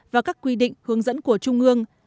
và các quy định hướng dẫn của trung ương